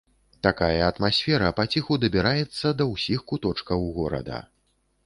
Такая атмасфера паціху дабіраецца да ўсіх куточкаў горада.